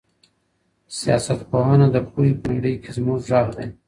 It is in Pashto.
سیاست پوهنه د پوهې په نړۍ کي زموږ ږغ دی.